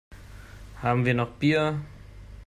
Haben wir noch Bier?